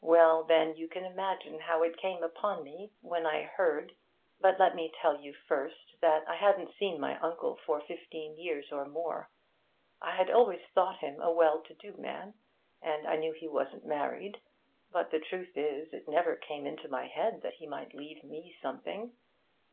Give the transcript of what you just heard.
Well, then, you can imagine how it came upon me when I heard But let me tell you first that I hadn't seen my uncle for fifteen years or more. I had always thought him a well to do man, and I knew he wasn't married, but the truth is, it never came into my head that he might leave me something.